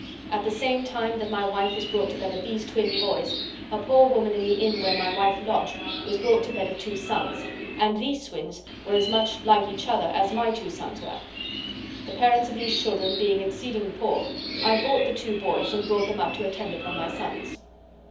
At the same time that my wife was brought to bed of these twin boys a poor woman in the inn where my wife lodged was brought to bed of two sons, and these twins were as much like each other as my two sons were. The parents of these children being exceeding poor, I bought the two boys and brought them up to attend upon my sons.